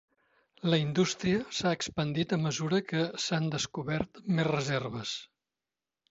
La indústria s'ha expandit a mesura que es s'han descobert més reserves.